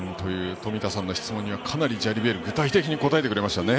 冨田さんの質問にはかなりジャリベールが具体的に答えてくれましたね。